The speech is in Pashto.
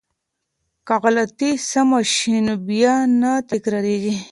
که غلطی سمه شي نو بیا نه تکراریږي.